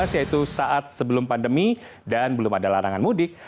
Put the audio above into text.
yaitu saat sebelum pandemi dan belum ada larangan mudik